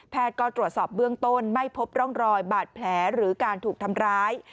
ก็ตรวจสอบเบื้องต้นไม่พบร่องรอยบาดแผลหรือการถูกทำร้าย